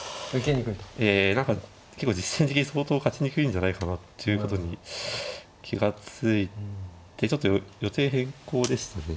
え何か結構実戦的に相当勝ちにくいんじゃないかっていうことに気が付いてちょっと予定変更でしたね。